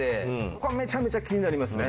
これめちゃめちゃ気になりますね。